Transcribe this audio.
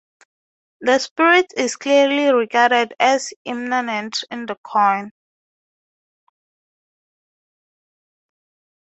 The spirit is clearly regarded as immanent in the corn.